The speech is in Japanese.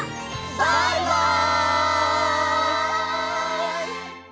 バイバイ！